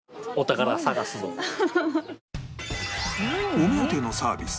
お目当てのサービス